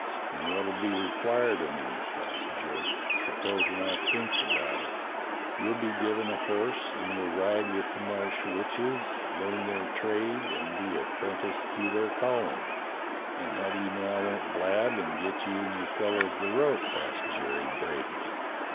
and what'll be required o' me?" asked Jerk, "supposin' I thinks about it." "You'll be given a horse, and you'll ride with the Marsh witches, learn their trade, and be apprenticed to their callin'." "And how do you know I won't blab and get you and your fellows the rope.^^" asked Jerry bravely.